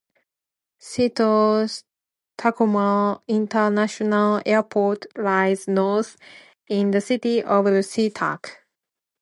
Seattle-Tacoma International Airport lies north, in the city of SeaTac.